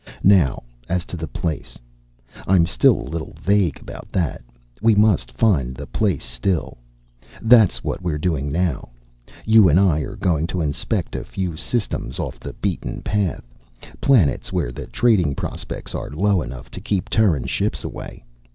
Now as to the place! I'm still a little vague about that. We must find the place, still. "That's what we're doing now. You and I are going to inspect a few systems off the beaten path, planets where the trading prospects are low enough to keep Terran ships away.